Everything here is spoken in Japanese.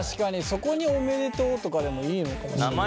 そこにおめでとうとかでもいいのかもしれないね。